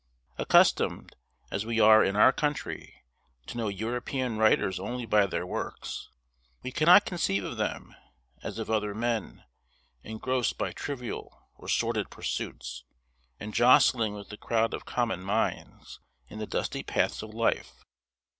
Accustomed, as we are in our country, to know European writers only by their works, we cannot conceive of them, as of other men, engrossed by trivial or sordid pursuits, and jostling with the crowd of common minds in the dusty paths of life.